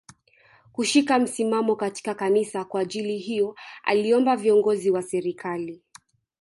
Kushika msimamo katika Kanisa Kwa ajili hiyo aliomba viongozi wa serikali